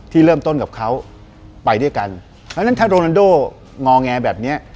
เริ่มต้นกับเขาไปด้วยกันเพราะฉะนั้นถ้าโรนันโด่งอแงแบบเนี้ย